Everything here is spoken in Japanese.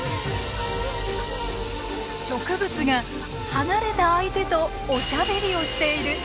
植物が離れた相手とおしゃべりをしている。